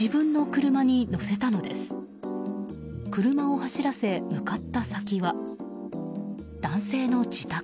車を走らせ、向かった先は男性の自宅。